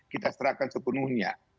kita serahkan sepenuhnya